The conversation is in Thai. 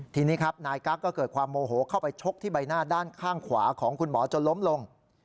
ทีนี้ครับนายกั๊กก็เกิดความโมโหเข้าไปชกที่ใบหน้าด้านข้างขวาของคุณหมอจนล้มลง